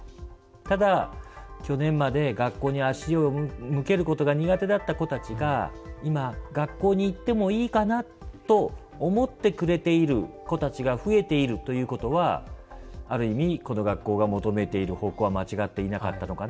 ただ去年まで学校に足を向けることが苦手だった子たちが今学校に行ってもいいかなと思ってくれている子たちが増えているということはある意味この学校が求めている方向は間違っていなかったのかなと思ってます。